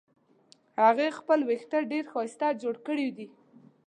هغې خپل وېښته ډېر ښایسته جوړ کړې دي